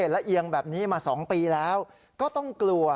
ละเอียงแบบนี้มา๒ปีแล้วก็ต้องกลัว